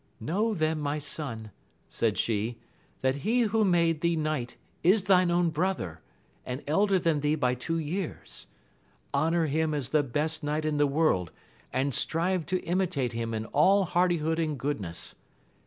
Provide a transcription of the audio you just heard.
Know then, my son, said she, that he who made thee knight is thine own brother, and elder than thee by two years: honour him as the best knight in the world, and strive to imitate him in aU hardihood and goodness.